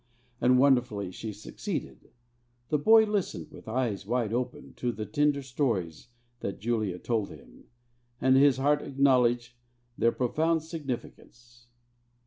And wonderfully she succeeded. The boy listened with eyes wide open to the tender stories that Julia told him, and his heart acknowledged their profound significance.